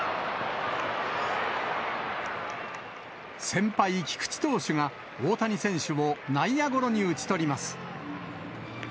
先輩、菊池投手が大谷選手を内野ゴロに打ち取ります。